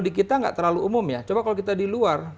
di kita nggak terlalu umum ya coba kalau kita di luar